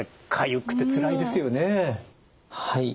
はい。